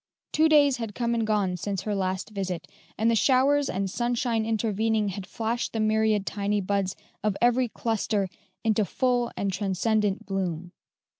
Two days had come and gone since her last visit, and the showers and sunshine intervening had flashed the myriad tiny buds of every cluster into full and transcendent bloom.